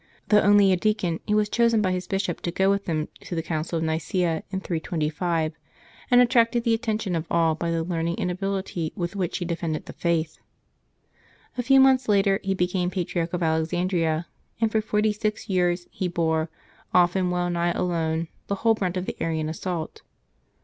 Though only a deacon, he was chosen by his bishop to go with him to the Council of Nicsea, in 325, and attracted the atten tion of all by the learning and ability with which he defended the faith. A few months later, he became Pa triarch of Alexandria, and for forty six years he bore, often well nigh alone, the whole brunt of the Arian assault.